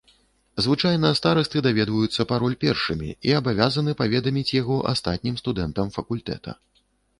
Звычайна старасты даведваюцца пароль першымі і абавязаны паведаміць яго астатнім студэнтам факультэта.